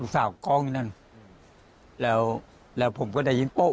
สาวเกราะนั่นแล้วผมก็ได้ยินโป๊ะ